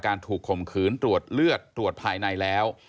ถูกข่มขืนตรวจเลือดตรวจภายในแล้ว